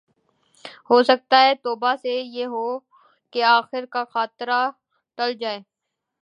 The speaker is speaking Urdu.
ہوسکتا ہے توبہ سے یہ ہو کہ آگے کا خطرہ ٹل جاۓ